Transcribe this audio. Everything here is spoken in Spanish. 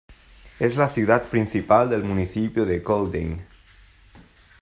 Es la ciudad principal del municipio de Kolding.